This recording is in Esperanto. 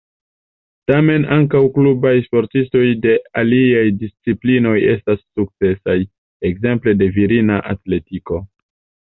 Tamen ankaŭ klubaj sportistoj de aliaj disciplinoj estas sukcesaj, ekzemple de virina atletiko.